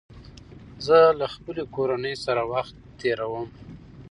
زه له خپلې کورنۍ سره وخت تېروم